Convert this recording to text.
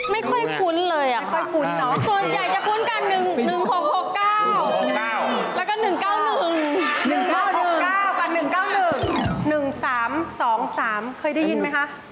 ไม่ค่อยคุ้นเลยอะค่ะ